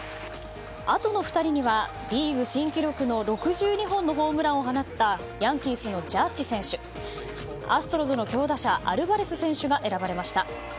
あとの２人には、リーグ新記録の６２本のホームランを放ったヤンキースのジャッジ選手アストロズの強打者アルバレス選手が選ばれました。